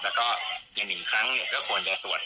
แล้วก็อย่างหนึ่งครั้งก็ควรจะสวดประมาณ๑๒จบนะครับ